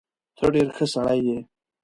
ته ډیر ښه سړی یې